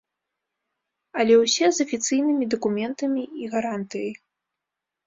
Але ўсе з афіцыйнымі дакументамі і гарантыяй.